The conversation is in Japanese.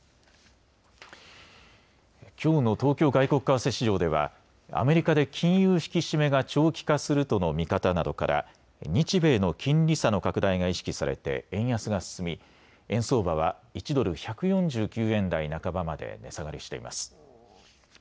きょうの東京外国為替市場ではアメリカで金融引き締めが長期化するとの見方などから日米の金利差の拡大が意識されて円安が進み、円相場は１ドル１４９円台半ばまで値下がりしています。